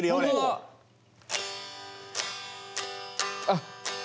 あっ。